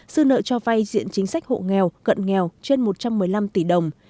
dư nợ cho vay diện chính sách hộ nghèo cận nghèo trên một trăm một mươi năm tỷ đồng